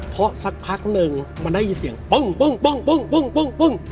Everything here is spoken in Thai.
เพราะสักพักนึงมันได้ยินเสียงปึ่งปึ่งปึ่งปึ่งปึ่งปึ่ง